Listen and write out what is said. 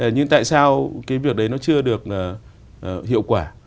nhưng tại sao cái việc đấy nó chưa được hiệu quả